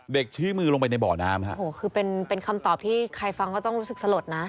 เด็กชี้มือลงไปในบ่อน้ำคือเป็นคำตอบที่ใครฟังก็ต้องรู้สึกสลดนะ